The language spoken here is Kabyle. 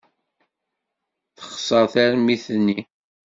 Texṣer tarmit-nni.